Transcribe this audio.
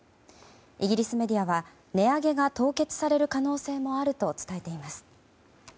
イギリスメディアは値上げが凍結される可能性もあると伝えています。